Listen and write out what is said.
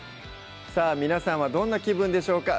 さぁ皆さんはどんな気分でしょうか？